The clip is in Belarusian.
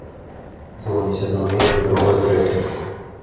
Звоніць у адно месца, другое, трэцяе.